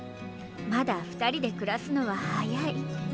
まだ２人で暮らすのは早い。